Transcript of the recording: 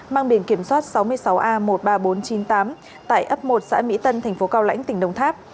mang biển kiểm soát sáu mươi sáu a một mươi ba nghìn bốn trăm chín mươi tám tại ấp một xã mỹ tân thành phố cao lãnh tỉnh đồng tháp